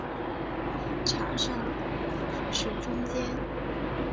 在场上的位置是中坚。